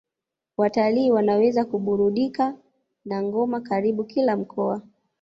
Watalii wanaweza kuburudika na ngoma karibu kila mkoa